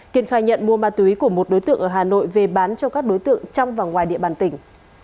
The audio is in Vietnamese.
kiên khai nhận mua ma túy của một đối tượng ở hà nội về bán cho các đối tượng trong và ngoài địa bàn tỉnh